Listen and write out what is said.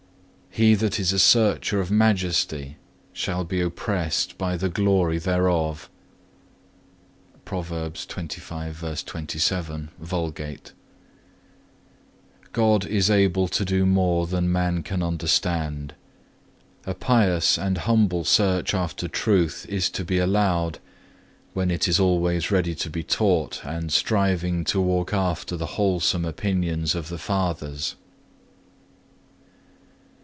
He that is a searcher of Majesty shall be oppressed by the glory thereof.(1) God is able to do more than man can understand. A pious and humble search after truth is to be allowed, when it is always ready to be taught, and striving to walk after the wholesome opinions of the fathers.